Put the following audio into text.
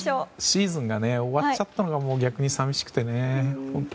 シーズンが終わっちゃったのが逆に寂しくてね。